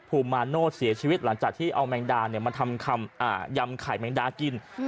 ภูมิมาโนธเสียชีวิตหลังจากที่เอาแมงดามาทำยำไข่แมงดากิน